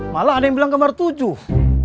malah ada yang bilang kamar tujuh